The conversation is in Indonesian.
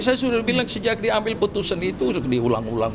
saya sudah bilang sejak diambil putusan itu diulang ulang